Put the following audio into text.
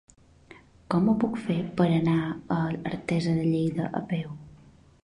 Com ho puc fer per anar a Artesa de Lleida a peu?